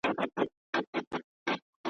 بیرته منصوري ځنځیر له ښار څخه ایستلی یم .